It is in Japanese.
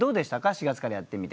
４月からやってみて。